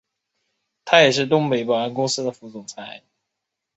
他也是东北保安公司的副总裁。